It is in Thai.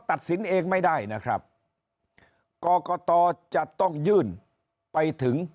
ตัดสินเองไม่ได้นะครับกรกตจะต้องยื่นไปถึง